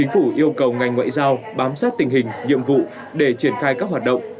phủ yêu cầu ngành ngoại giao bám sát tình hình nhiệm vụ để triển khai các hoạt động